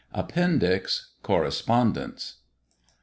APPENDIX. CORRESPONDENCE.